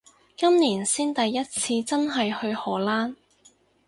今年先第一次真係去荷蘭